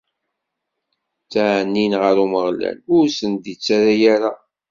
Ttɛennin ɣer Umeɣlal, ur sen-d-ittarra ara.